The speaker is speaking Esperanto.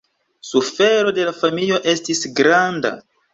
Sufero de la familio estis granda.